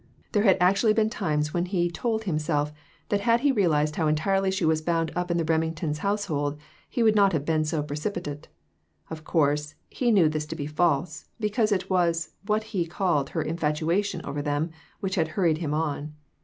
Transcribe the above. There had actually been times when he told him self that had he realized how entirely she was bound up in the Remington household, he would not have been so precipitate. Of course he knew this to be false, because it was what he called her "infatuation" over them which had hurried him on.